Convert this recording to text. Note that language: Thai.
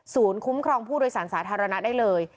๑๕๘๔ศูนย์คุ้มครองผู้โดยสารสาธารณะได้เลย